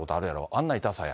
あんな痛さや。